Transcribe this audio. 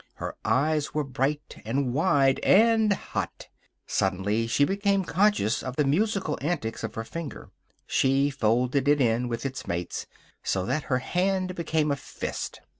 Her eyes were bright, and wide, and hot. Suddenly she became conscious of the musical antics of her finger. She folded it in with its mates, so that her hand became a fist.